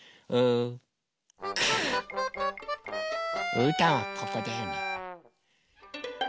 うーたんはここだよね。